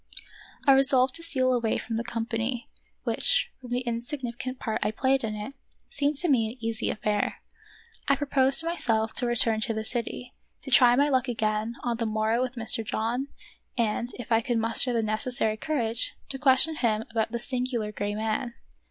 I, resolved to steal away from the company, which, from the insignificant part I played in it, seemed to me an easy affair. I proposed to my self to return to the city, to try my luck again on the morrow with Mr. John, and, if I could muster the necessary courage, to question him about the singular gray man.